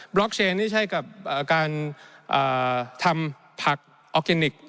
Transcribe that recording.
บล็อกเชนนี่ใช้กับการทำผักออกเกณฑ์